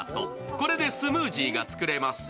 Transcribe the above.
これでスムージーが作れます。